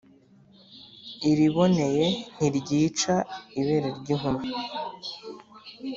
Iriboneye ntiryica-Ibere ry'inkumi.